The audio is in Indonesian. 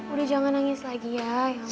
udah jangan nangis lagi ya